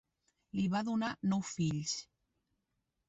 Li va donar nou fills.